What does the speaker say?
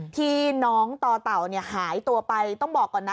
ที่น้องต่อเต่าหายตัวไปต้องบอกก่อนนะ